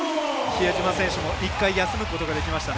比江島選手も１回休むことができました。